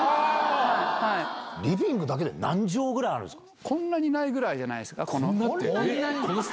リビングだけで何畳ぐらいあこんなにないぐらいじゃないこんなって。